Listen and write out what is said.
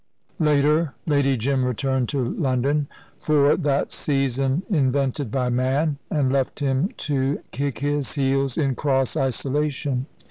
Later, Lady Jim returned to London, for that season invented by man, and left him to kick his heels in cross isolation.